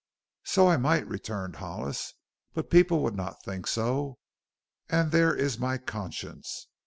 "So I might," returned Hollis. "But people would not think so. And there is my conscience.